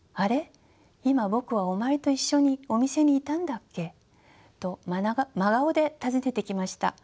今僕はお前と一緒にお店にいたんだっけ？」と真顔で尋ねてきました。